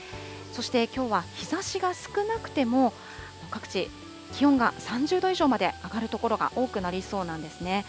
そしてきょうは、日ざしが少なくても各地、気温が３０度以上まで上がる所が多くなりそうなんですね。